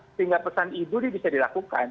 sehingga pesan itu bisa dilakukan